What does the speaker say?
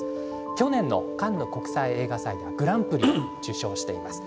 去年のカンヌ国際映画祭ではグランプリを受賞しています。